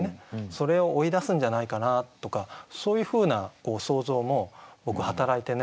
それを追いだすんじゃないかなとかそういうふうな想像も僕働いてね